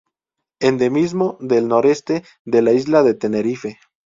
Endemismo del noroeste de la isla de Tenerife.